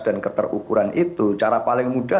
dan keterukuran itu cara paling mudah